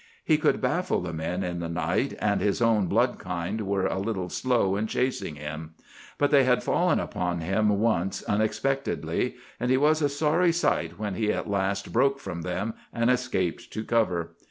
He could baffle the men in the night, and his own blood kind were a little slow in chasing him. But they had fallen upon him once unexpectedly, and he was a sorry sight when he at last broke from them and escaped to cover.